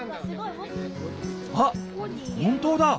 あっ本当だ！